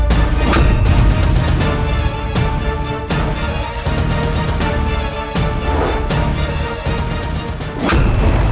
jangan berani beraninya melawanku